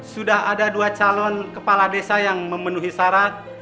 sudah ada dua calon kepala desa yang memenuhi syarat